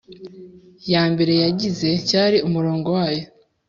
Ya mbere yagize cyari umurongo wayo